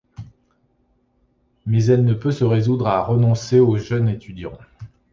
Mais elle ne peut se résoudre à renoncer au jeune étudiant.